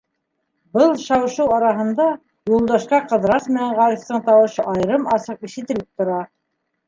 Был шау-шыу араһында Юлдашҡа Ҡыҙырас менән Ғарифтың тауышы айырым-асыҡ ишетелеп тора.